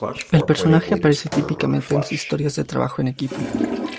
El personaje aparece típicamente en las historias de trabajo en equipo.